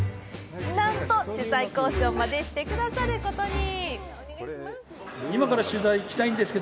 なんと取材交渉までしてくださることに。